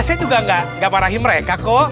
saya juga nggak marahi mereka kok